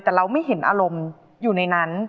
แต่เราไม่เห็นอารมณ์อยู่ในนั้น